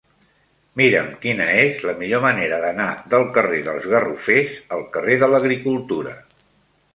Mira'm quina és la millor manera d'anar del carrer dels Garrofers al carrer de l'Agricultura.